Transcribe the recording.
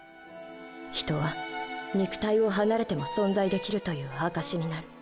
人は肉体を離れても存在できるという証しになる。